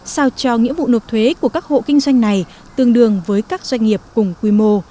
sao cho nghĩa vụ nộp thuế của các hộ kinh doanh này tương đương với các doanh nghiệp cùng quy mô